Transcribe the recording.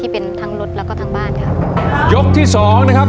เป็นทั้งรถแล้วก็ทั้งบ้านค่ะยกที่สองนะครับ